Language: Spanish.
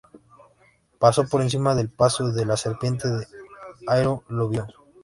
Paso por encima del paso de la serpiente, e Iroh lo vio.